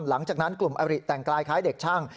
หลังจากนั้นกลุ่มอริแต่งกลายคล้ายเด็กช่าง